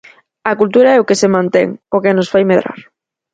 A cultura é o que se mantén, o que nos fai medrar.